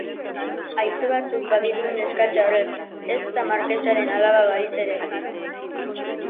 Haize batzuk baditu neskatxa horrek!, ezta markesaren alaba balitz ere!